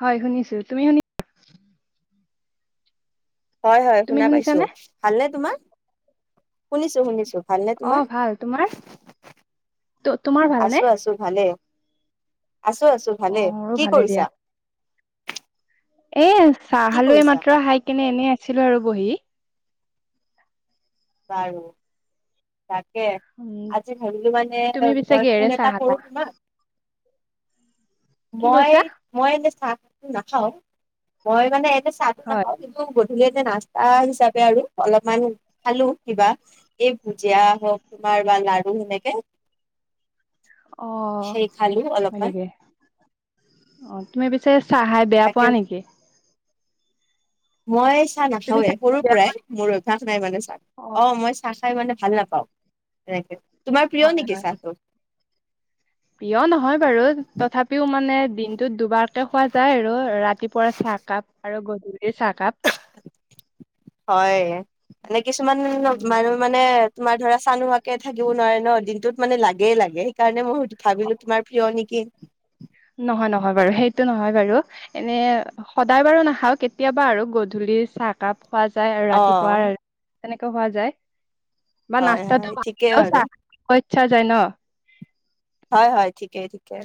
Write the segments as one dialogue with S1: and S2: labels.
S1: হয় শুনিছো তুমি শুনি।
S2: হয় হয়
S1: তুমি
S2: শুনা পাইছো
S1: শুনিছানে
S2: ভালনে তোমাৰ। শুনিছো শুনিছো ভালনে
S1: অ
S2: তোমাৰ।
S1: ভাল তোমাৰ তো- তোমাৰ ভালনে
S2: আছো আছো ভালে আছো আছো
S1: অ
S2: ভালে
S1: মোৰো
S2: কি
S1: ভালে
S2: কৰিছা।
S1: দিয়া এ
S2: কি
S1: চাখালো এই
S2: কৰিছা
S1: মাত্ৰ খাই কেনে এনেই আছিলো আৰু বহি।
S2: বাৰু। তাকে,
S1: উম
S2: আজি ভাবিলোঁ মানে
S1: তুমি পিছে
S2: মই ফোন
S1: কিহেৰে
S2: এটা
S1: চাহ
S2: কৰো
S1: খালা
S2: তোমাক।
S1: কি কৈছা
S2: মই- মই এনে চাহটো নাখাওঁ, মই মানে এনে চাহটো
S1: হয়
S2: নাখাওঁ। গধূলি টে নাস্তা হিচাপে আৰু অলপমান খালোঁ কিবা। এই ভুজিয়া হওঁক তোমাৰ বা লাৰু সেনেকে।
S1: অ
S2: হেই খালো অলপমান।
S1: অঁ তুমি পিছে চাহ খাই বেয়া
S2: তাকে
S1: পোৱা নেকি?
S2: মই চাহ
S1: তুমি
S2: নাখাওঁৱে।
S1: চাহ খাই
S2: সৰুৰ
S1: বেয়া
S2: পৰাই মোৰ অভ্যাস নাই মানে চাহ, অ' মই চাহ খাই মানে ভাল নাপাওঁ, এনেকে। তোমাৰ প্ৰিয়
S1: হয়
S2: নিকি
S1: হয়
S2: চাহটো?
S1: প্ৰিয় নহয় বাৰু তথাপিও মানে দিন- টো দুবাৰকে খোৱা যায় আৰু, ৰাতিপুৱাৰ চাহকাপ আৰু গধূলিৰ চাহকাপ।
S2: হয়, মানে কিছুমান
S1: উম
S2: আৰু- মানে তোমাৰ ধৰা চাহ নোখোৱাকে থাকিব নোৱাৰে ন, দিনটোত মানে লাগেই লাগে। সেইকাৰণে মই- ভাবিলো তোমাৰ প্ৰিয় নেকি!
S1: নহয়, নহয় বাৰু, সেইটো নহয় বাৰু। এনে সদায় বাৰু নাখাওঁ, কেতিয়াবা আৰু গধূলিৰ চাহ- কাপ খোৱা যায় আৰু
S2: অ
S1: ৰাতিপুৱাৰ তেনেকে খোৱা যায়। বা
S2: হয়
S1: নাস্তাটো
S2: হয়
S1: ভাল
S2: ঠিকেই
S1: হ'লেও
S2: বাৰু।
S1: চাহ খাব ইচ্ছা যায় ন।
S2: হয়, হয়, ঠিকেই ঠিকে।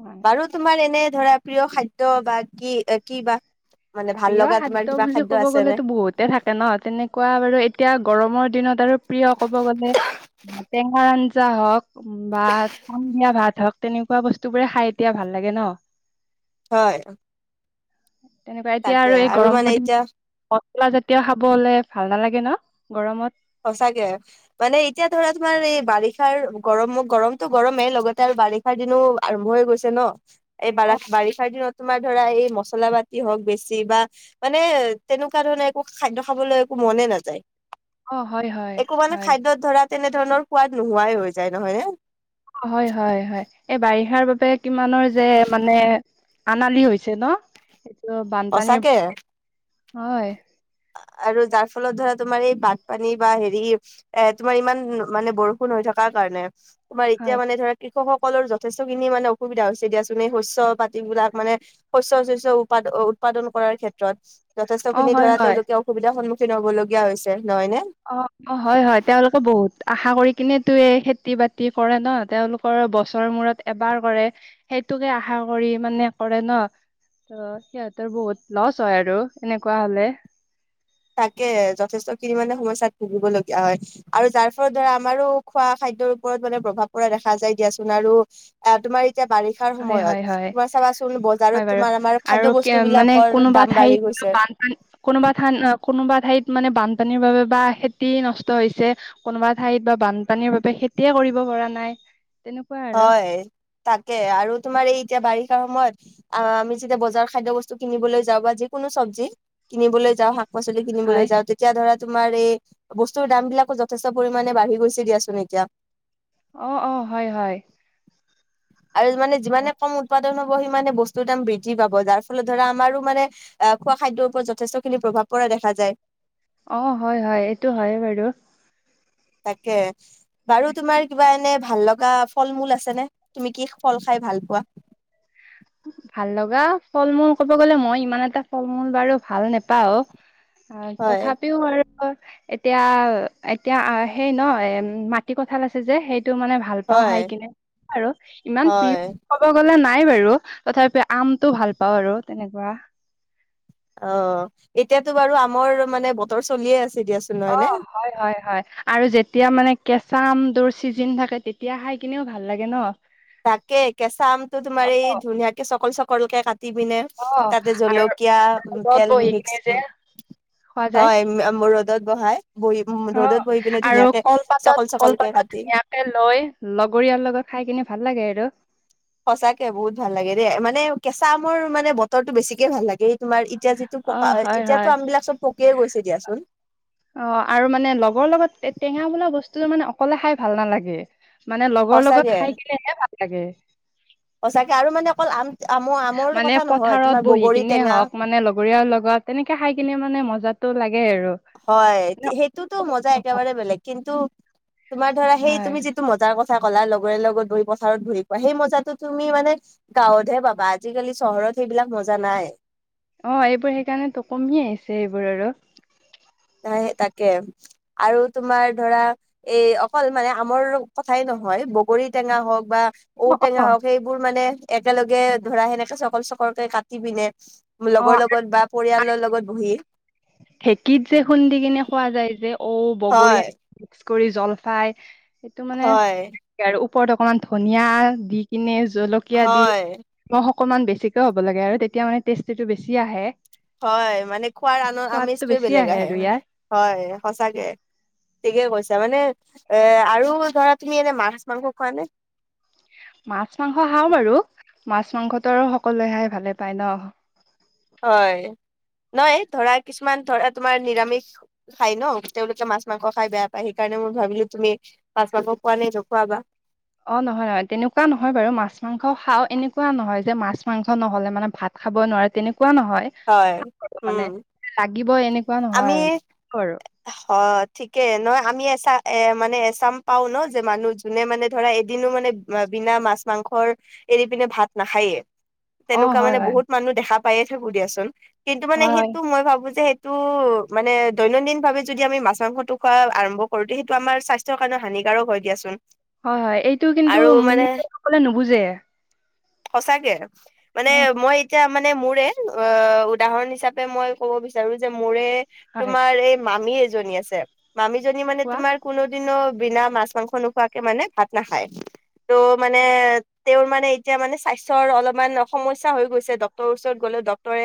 S1: হয়,
S2: বাৰু- তোমাৰ এনে ধৰা প্ৰিয় খাদ্য বা কি কি বা? মানে ভাল
S1: প্ৰিয়
S2: লগা তোমাৰ
S1: খাদ্য
S2: কিবা
S1: বুলি ক'ব
S2: আছে নে
S1: গ'লেতো বহুতে থাকে। ন তেনেকুৱা বাৰু এতিয়া গৰমৰ দিনত আৰু প্ৰিয় ক'ব গ'লে- টেঙাৰ আঞ্জা হওঁক, - বা পানী দিয়া ভাত হওঁক, তেনেকুৱা বস্তু বোৰে খাই এতিয়া ভাল লাগে ন।
S2: হয়।
S1: তেনেকুৱা এতিয়া
S2: তাকে
S1: আৰু এই
S2: মানে
S1: গৰমৰ দিন-
S2: এতিয়া
S1: মছলা জাতীয় খাবলে ভাল নালাগে ন গৰমত?
S2: সঁচাকে। মানে এতিয়া ধৰা তোমাৰ এই বাৰিষাৰ গৰম গৰমতটো গৰমেই লগতে আৰু বাৰিষা- বাৰিষাৰ দিনো আৰম্ভ হৈ গৈছে ন, এই বাৰ
S1: অ
S2: বাৰিষাৰ দিনত- তোমাৰ ধৰা এই মছলা পাতি হওঁক বেছি বা- মানে তেনেকুৱা ধৰণে একো খাদ্য খাবলৈ একো মনে নাযায়।
S1: অঁ হয়, হয়।
S2: একো মানে
S1: হয়
S2: খাদ্যত ধৰা তেনেধৰণৰ সোৱাদ নোহোৱাই হৈ যায় নহয় নে?
S1: হয়, হয়, হয়, এই বাৰিষাৰ বাবে কিমানৰ যে মানে- আনালি হৈছে ন, এইটো বানপানীৰ,
S2: সঁচাকে
S1: হয়।
S2: আৰু যাৰ ফলত ধৰা তোমাৰ এই বানপানী বা হেৰি- এ তোমাৰ ইমান মানে বৰষুণ হৈ থকাৰ কাৰণে। তোমাৰ এতিয়া
S1: হয়
S2: মানে ধৰা- কৃষকসকলৰ যথেষ্টখিনি মানে অসুবিধা হৈছে দিয়াচোন। এই শস্য পাতিবলাক মানে- শস্য -চস্য উৎপাদ আ উৎপাদন কৰাৰ ক্ষেত্ৰত। যথেষ্ট
S1: অ
S2: খিনি
S1: হয়
S2: ধৰা
S1: হয়
S2: তেওঁলোকে অসুবিধাৰ সন্মুখীন হ'বলগীয়া হৈছে নহয় নে?
S1: অঁ, অঁ, হয়, হয়। তেওঁলোকে- ত বহুত আশা কৰি কিনে তো এই খেতি বাতি কৰে ন, তেওঁলোকৰ বছৰ মূৰত এবাৰ কৰে। সেইটোকে আশা কৰি মানে কৰে ন। অঁ সিহঁতৰ বহুত লচ হয় আৰু এনেকুৱা হলে।
S2: তাকে যথেষ্টখিনি মানে সমস্যাত ভুগিবলগীয়া হয়। আৰু যাৰ ফলত ধৰা আমাৰো খোৱা খাদ্যৰ ওপৰত মানে প্ৰভাৱ পৰা দেখা যায় দিয়াচোন আৰু- অঁ তোমাৰ এতিয়া বাৰিষা- বাৰিষাৰ
S1: হয়
S2: সময়ত
S1: হয় হয়
S2: তোমাৰ চাবা চোন
S1: হয়
S2: বজাৰত
S1: বাৰু
S2: তোমাৰ আমাৰ
S1: আৰু
S2: খাদ্য
S1: কে
S2: বস্তু
S1: মানে
S2: বিলাকৰ
S1: কোনোবা
S2: দাম বাঢ়ি
S1: ঠাইত
S2: গৈছে।
S1: বানপানী কোনোবা ঠান অঁ কোনোবা ঠাইত মানে বানপানীৰ বাবে বা খেতি নষ্ট হৈছে। কোনোবা ঠাইত বা বানপানীৰ বাবে খেতিয়ে কৰিব পৰা নাই। তেনেকুৱা আৰু
S2: হয় তাকে আৰু তোমাৰ এই এতিয়া বাৰিষাৰ সময়ত- আ আমি যেতিয়া বজাৰৰ খাদ্য বস্তু কিনিবলৈ যাওঁ বা যিকোনো চব্জি কিনিবলৈ যাওঁ, শাক- পাচলি
S1: হয়
S2: কিনিবলৈ যাওঁতে- এতিয়া ধৰা তোমাৰ এই বস্তুৰ দাম বিলাকো যথেষ্ট পৰিমাণে বাঢ়ি গৈছে দিয়াচোন এতিয়া।
S1: অঁ, অঁ, হয়, হয়।
S2: আৰু মানে যিমানে কম উৎপাদন হ'ব, সিমানে বস্তুৰ দাম বৃদ্ধি পাব। যাৰ ফলত ধৰা আমাৰো মানে- আহ খোৱা খাদ্যৰ ওপৰত যথেষ্টখিনি প্ৰভাৱ পৰা দেখা যায়।
S1: অঁ, হয়, হয়, এইটো হয়ে বাৰু।
S2: তাকে, বাৰু তোমাৰ- কিবা এনে ভাল লগা ফল মূল আছে নে, তুমি কি ফল খাই ভাল পোৱা?
S1: উম। ভাল লগা ফল মূল ক'ব গ'লে মই ইমান এটা ফল মূল বাৰু ভাল নেপাওঁ। অঁ
S2: হয়
S1: তথাপিও আৰু- এতিয়া এতিয়া আ সেই ন মাটি কঁঠাল আছে যে, সেইটো মানে ভাল। ভাল পাওঁ
S2: হয়
S1: খাই কিনে আৰু ইমান প্ৰিয়
S2: হয়
S1: ক'ব গ'লে নাই বাৰু। তথাপি আমটো ভাল পাওঁ আৰু তেনেকুৱা।
S2: অঁ এতিয়াতো বাৰু আমৰ মানে বতৰ চলিয়ে আছে দিয়া চোন।
S1: অহ। হয়, হয়, হয় আৰু যেতিয়া মানে কেঁচা আমটোৰ চিজিন থাকে তেতিয়া খাই কিনেও ভাল লাগে ন।
S2: তাকে কেঁচা আমটো তোমাৰ এই
S1: অ
S2: ধুনীয়াকে চকল চকল কে কাটি পিনে-
S1: অ
S2: তাতে
S1: আৰু
S2: জলকীয়া,
S1: ৰ'দত
S2: তেল
S1: বহি
S2: মিক্স
S1: কিনে যে খোৱা যায়
S2: হয় মূৰত- ৰ'দত বহাই বহি উম
S1: অ
S2: ৰ'দত বহি পিনে
S1: আৰু
S2: ধুনীয়াকে
S1: কলপাতত
S2: চকল চকল কে
S1: কলপাতত
S2: কাটি।
S1: ধুনীয়াকে লৈ লগৰীয়াৰ লগত খাই কিনে ভাল লাগে আৰু।
S2: সঁচাকে বহুত ভাল লাগে দেই মানে কেঁচা আমৰ মানে বতৰটো বেছিকে ভাল লাগে। এই তোমাৰ এতিয়া যি- টো
S1: অ
S2: পকা
S1: হয়
S2: এতিয়াতো
S1: হয়
S2: আম বিলাক চব পকিয়ে গৈছে দিয়াচোন।
S1: অঁ আৰু মানে লগৰ লগত টেঙা বোলা বস্তুটো মানে অকলে খাই ভাল নালাগে। মানে লগৰ লগত
S2: সঁচাকে
S1: খাই কিনেহে ভাল লাগে।
S2: সঁচাকে আৰু মানে অকল আম- আম আমৰ
S1: মানে
S2: কথা নহয় তোমাৰ
S1: পথাৰত বহি
S2: বগৰী
S1: কিনে
S2: টেঙা
S1: হওঁক মানে লগৰীয়াৰ লগত- তেনেকে খাই কিনে মানে মজাটো লাগে আৰু।
S2: হয়, সেইটোতো মজা একেবাৰে বেলেগ। কিন্তু তোমাৰ ধৰা সেই
S1: হয়
S2: তুমি- মজাৰ কথা কলা লগৰীয়াৰ লগত বহি পথাৰত ঘূৰি ফুৰা, সেই মজাটো তুমি মানে- গাঁৱতহে পাবা, আজিকালি চহৰত সেইবিলাক মজা নাই।
S1: অঁ এইবোৰ সেইকাৰণেটো কমি আহিছে এইবোৰ আৰু।
S2: নাই তাকে আৰু তোমাৰ ধৰা- এ অকল মানে আমৰ কথাই নহয়, বগৰী টেঙা হওঁক বা-
S1: অ
S2: ঔটেঙা
S1: অ
S2: হওঁক, সেইবোৰ মানে একেলগে ধৰা সেনেকে চকল চকলকে কাটি পিনে-
S1: অ
S2: লগৰ লগত বা পৰিয়ালৰ লগত বহি-
S1: ধেকীত যে খুন্দি কিনে খোৱা যায় যে ঔ, বগৰী-
S2: হয়
S1: মিক্স কৰি জলফাই সেইটো মানে
S2: হয়
S1: আৰু ওপৰত অকমান ধনীয়া দি কিনে জলকীয়া দি
S2: হয়
S1: নিমক অকমান বেছিকে হ'ব লাগে আৰু তেতিয়া মানে টেষ্টিটো বেছি আহে।
S2: হয়ঁ মানে খোৱাৰ আনৰ
S1: সোৱাদটো
S2: আমেজটোয়ে
S1: বেছি
S2: বেলেগ আহে
S1: আৰু ইয়াৰ
S2: হয় সঁচাকে। ঠিকে কৈছা মানে এ আৰু ধৰা তুমি এনে মাছ মাংস খোৱা নে?
S1: মাছ মাংস খাওঁ বাৰু মাছ মাংসটো সকলোৱে খাই ভালে পায় ন।
S2: হয়ঁ নহয় ধৰা কিছুমান ধৰা তোমাৰ নিৰামিষ খাই ন তেওঁলোকে মাছ মাংস খাই বেয়া পায় সেইকাৰণে মই ভাবিলো তুমি- মাছ মাংস খোৱা নাই জখোৱাবা।
S1: অঁ নহয় নহয় তেনেকুৱা নহয় বাৰু মাছ মাংস খাওঁ এনেকুৱা নহয় যে মাছ মাংস নহ'লে মানে ভাত। খাব নোৱাৰে তেনেকুৱা নহয়।
S2: হয়ঁ
S1: মানে
S2: ওম!
S1: লাগিব এনেকুৱা নহয় কৰো
S2: অঁ ঠিকে নহয় আমি এচাম এ মানে এচাম পাও ন যে মানুহ যোনে মানে ধৰা এদিনো মানে বিনা মাছ মাংসৰ এৰি পিনে ভাত নাখায়ে।
S1: অ
S2: তেনেকুৱা
S1: হয়
S2: মানে
S1: হয়
S2: বহুত মানুহ দেখা পায়ে থাকো দিয়াচোন কিন্তু মানে
S1: হয় হয়
S2: সেইটো মই ভাবো যে সেইটো মানে দৈনন্দিন ভাবে যদি আমি মাছ মাংসটো খোৱা আৰম্ভ কৰো যিহেতু আমাৰ স্বাস্থ্যৰ কাৰণে হানিকাৰক হয়ঁ দিয়াচোন।
S1: হয়ঁ হয়ঁ এইটো কিন্তু
S2: আৰু মানে
S1: মহিলা সকলে নুবুজে।
S2: সঁচাকে মানে
S1: উম
S2: মই এতিয়া মানে মোৰে অঁ উদাহৰণ হিচাপে মই ক'ব বিচাৰো যে মোৰে
S1: হয়
S2: তোমাৰ এই মামী এজনী আছে মামীজনী মানে
S1: কোৱা
S2: তোমাৰ কোনোদিনো বিনা মাছ মাংস নোখোৱাকে মানে ভাত নাখায় ত' মানে তেওঁৰ মানে এতিয়া মানে স্বাস্থ্যৰ অলপমান সমস্যয়া হৈ গৈছে ডক্টৰৰ ওচৰত গ'লে ডক্টৰে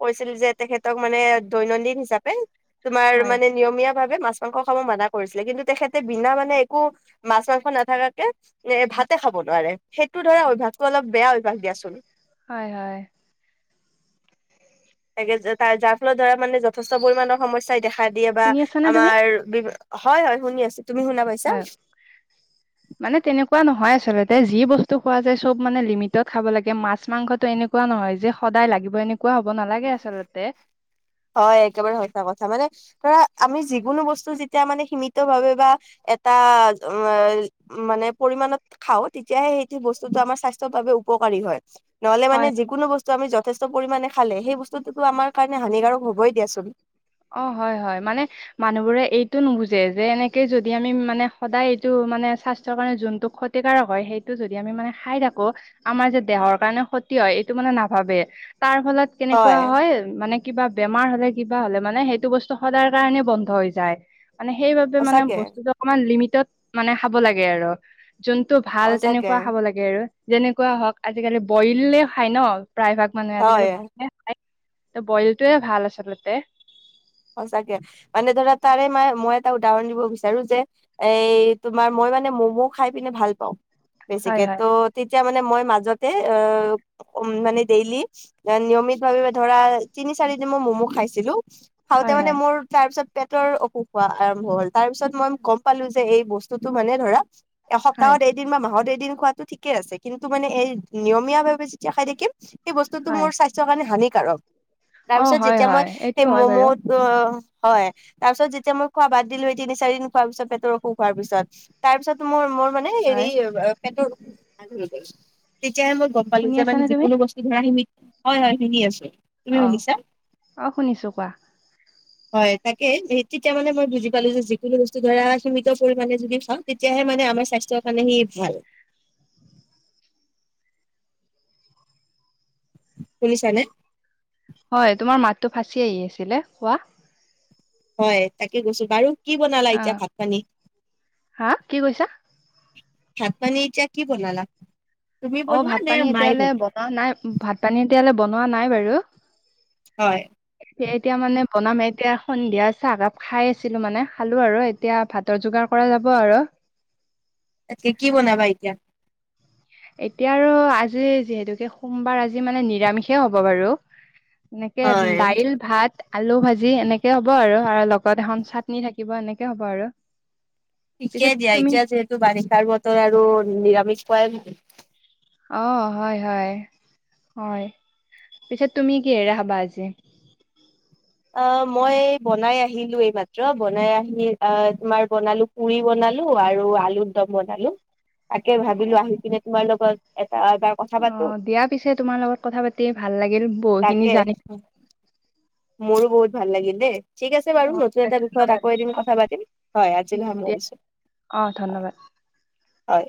S2: কৈছিল যে তেখেতক মানে দৈনন্দিন হিচাপে তোমাৰ
S1: হয়
S2: মানে নিয়মীয়া ভাৱে মাছ- মাংস খাব মানা কৰিছিলে কিন্তু তেখেতে বিনা মানে একো মাছ মাংস নাথাকাকে ভাতে খাব নোৱাৰে সেইটো ধৰা অভ্যাসতটো অলপ বেয়া অভ্যাস দিয়াচোন।
S1: হয়ঁ হয়ঁ!
S2: তেনেকে তাৰ যাৰ ফলত ধৰা মানে যথেষ্ট পৰিমাণৰ সমস্যাই দেখা দিয়ে বা
S1: শুনি আছানে তুমি
S2: আমাৰ বি হয়ঁ হয়ঁ শুনিছো আছো তুমি শুনা পাইছা।
S1: হয়ঁ।
S2: [inaudible]
S1: মানে তেনেকুৱা নহয় আচলতে যি বস্তু খোৱা যায় সব মানে লিমিটত খাব লাগে মাছ মাংসটো এনেকুৱা কোৱা নহয় যে সদায় লাগিব এনেকুৱা হ'ব নালাগে আচলতে।
S2: হয়ঁ একেবাৰে সঁচা কথা মানে ধৰা আমি যিকোনো বস্তু যেতিয়া মানে সীমিত ভাৱে বা- এটা উমঁ এঅ মানে পৰিমমানত খাওঁ তেতিয়াহে সেইটো বস্তুটো আমাৰ স্বাস্থ্যৰ বাবে উপকাৰী হয়ঁ। নহ'লে
S1: হয়
S2: মানে যিকোনো বস্তু আমি যথেষ্ট পৰিমাণে খালে সেই বস্তুটোতো আমাৰ কাৰণে হানিকাৰক হ'বই দিয়া চুন।
S1: অঁ হঁয় হঁয় মানে মানুহ বোৰে এইটো নুবুজে যে এনেকে যদি আমি মানে সদায় এইটো মানে স্বাস্থৰ কাৰণে যোনটো অখদ ক্ষতিকাৰক হয়ঁ সেইটো যদি আমি মানে খাই থাকো আমাৰ যে দেহৰ কাৰণে ক্ষতি হয় এইটো মানে নাভাবে। তাৰ ফলত কেনেকুৱা হয় মানে কিবা বেমাৰ হ'লে কিবা হ'লে। মানে সেইটো বস্তু সদায় কাৰণে বন্ধ হৈ যায় মানে সেইবাবে মানে
S2: সঁচাকে
S1: বস্তুটো অকমান লিমিটত মানে খাব লাগে আৰু যোনটো ভাল
S2: সঁচাকে
S1: তেনেকুৱা খাব লাগে। আৰু যেনেকুৱা হওক আজিকালি বইলে খাই ন প্ৰায় ভাগ মানুহে আজিকালি
S2: হয়
S1: বইলে খায়। ত বইলটয়ে ভাল আছলতে।
S2: সঁচাকে মানে ধৰা তাৰে মানে মই এটা উদাহৰণ দিব বিচাৰো যে- এই তোমাৰ মই মানে মম' খাই পিনে ভাল পাওঁ
S1: হয়
S2: বেছিকে,
S1: হয়
S2: ত'- তেতিয়া মানে মই মাজতে অ উ মানে ডেইলি- নিয়মিত ভাৱে ধৰা তিনি চাৰি দিন মই ম'মো খাইছিলো, খাওঁতে
S1: হয়,
S2: মানে
S1: হয়,
S2: মোৰ তাৰ পিছত- পেটৰ অসুখ হোৱা আৰম্ভ হ'ল। তাৰ পিছত মই গম পালো যে এই বস্তুতটো মানে ধৰা-
S1: হয়,
S2: এসপ্তাহত এদিন বা মাহত এদিন খোৱাটো ঠিকে আছে কিন্তু মানে এই নিয়মীয়া ভাৱে যেতিয়া খাই থাকিম- সেই বস্তুতটো
S1: হয়।
S2: মোৰ স্বাস্থ্যৰ কাৰণে হানিকাৰক। তাৰ
S1: অ',
S2: পিছত
S1: হয়,
S2: যেতিয়া মই
S1: হয়, এইটো
S2: সেই
S1: হয় বাৰু
S2: ম'ম'- অঁ হয়, তাৰ পিছত যেতিয়া মই খোৱা বাদ দিলোঁ সেই তিনি চাৰি দিন খোৱাৰ পিছত পেটৰ অসুখ খোৱাৰ পিছত। তাৰ পিছত মোৰ মোৰ মানে হেৰি
S1: হয়,
S2: পেটৰ অসুখ ভাল হৈ গ'ল। পালো
S1: শুনি
S2: যে মান
S1: আছানে তুমি?
S2: যিকোনো বস্তু ধৰা সীমিত হয় হয় সীমি আছো। তুমি
S1: অঁ,
S2: শুনিছা
S1: অঁ শুনিছোঁ কোৱা?
S2: হয়, তাকে তেতিয়া মানে মই বুজি পালোঁ যে যিকোনো বস্তু ধৰা সীমিত পৰিমাণে যদি খাওঁ- তেতিয়াহে মানে আমাৰ স্বাস্থ্যৰ কাৰণে সি ভাল। শুনিছা নে?
S1: হয়, তোমাৰ মাতটো ফাঁচি আহি আছিলে, কোৱা?
S2: হয়, তাকে কৈছো বাৰু। কি বনালা এতিয়া
S1: অ',
S2: ভাত পানী?
S1: হা কি কৈছা?
S2: ভাত-পানী এতিয়া কি বনালা? তুমি বনোৱা নে মাই বনাই?
S1: অঁ নাই, ভাত -পানী এতিয়ালৈ বনোৱা নাই বাৰু।
S2: হয়।
S1: এতিয়া মানে বনাম, এতিয়া সন্ধিয়া চাহ কাপ খাই আছিলো মানে, খালো আৰু এতিয়া ভাত। যোগাৰ কৰা যাব আৰু।
S2: তাকে কি বনাবা এতিয়া?
S1: এতিয়া আৰু আজি যিহেতুকে সোমবাৰ আজি মানে নিৰামিষে হ'ব বাৰু। এনেকে
S2: হয়
S1: দাইল, ভাত। আলু ভাজি এনেকে হ'ব আৰু আ লগত এখন চাটনি থাকিব এনেকে হ'ব আৰু। পিছত
S2: ঠিকেই দিয়া,
S1: তুমি
S2: এতিয়া যিহেতু বাৰিষাৰ বতৰ আৰু নিৰামিষ খোৱাই ভাল।
S1: অঁ হয়, হয়, হয়, পিছে তুমি কিহেৰে খাবা আজি?
S2: অঁ মই বনাই আহিলো এইমাত্ৰ, বনাই আহি আ তোমাৰ বনালো- পুৰি বনালো আৰু আলুৰ দম বনালো। তাকে ভাবিলো আহিপিনে তোমাৰ লগত এটা এবাৰ- কথা পাতো
S1: অঁ দিয়া, পিছে তোমাৰ লগত কথা পাতি ভাল লাগিল বহুতখিনি
S2: তাকে
S1: জানিলোঁ।
S2: মোৰো বহুত ভাল লাগিল দেই। ঠিক আছে বাৰু
S1: অ'
S2: নতুন এটা বিষয়ত
S1: ধন্যবাদ
S2: আকৌ এদিন কথা পাতিম হয় আজিলৈ সামৰিছো।
S1: অঁ
S2: হয়
S1: ধন্যবাদ।
S2: হয়।